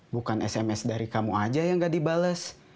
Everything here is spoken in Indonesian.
bukan sms dari kamu aja yang gak dibales